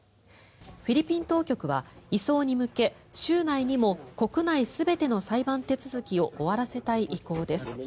フィリピン当局は移送に向け、週内にも国内全ての裁判手続きを終わらせたい意向です。